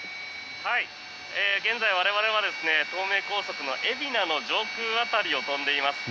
現在、我々は東名高速の海老名の上空辺りを飛んでいます。